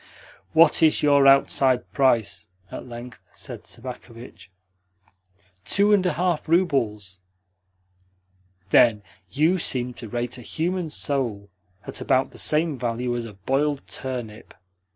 "What is your outside price?" at length said Sobakevitch. "Two and a half roubles." "Then you seem to rate a human soul at about the same value as a boiled turnip.